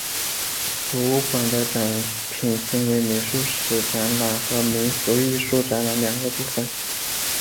博物馆的展品分为美术史展览和民俗艺术展览两个部分。